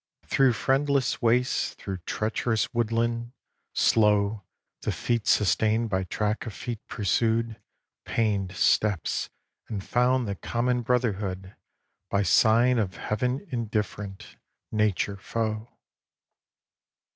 VI Through friendless wastes, through treacherous woodland, slow The feet sustained by track of feet pursued Pained steps, and found the common brotherhood By sign of Heaven indifferent, Nature foe.